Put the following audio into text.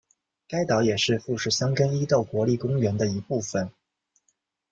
该岛也是富士箱根伊豆国立公园的一部分。